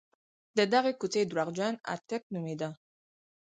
د دغې کوڅې درواغجن اټک نومېده.